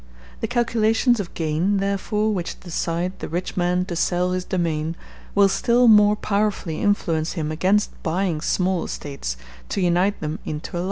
*b The calculations of gain, therefore, which decide the rich man to sell his domain will still more powerfully influence him against buying small estates to unite them into a large one.